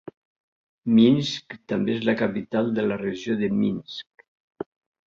Minsk també és la capital de la Regió de Minsk.